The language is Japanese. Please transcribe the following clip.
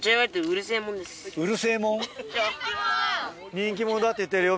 人気者だって言ってるよ